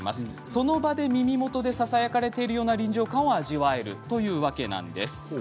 その場で耳元でささやかれているような臨場感を味わえるというわけなんです。